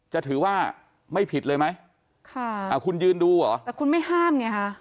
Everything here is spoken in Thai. จะถือว่าไม่ผิดเลยไหมคุณยืนดูหรอแต่คุณไม่ห้ามเนี่ยค่ะ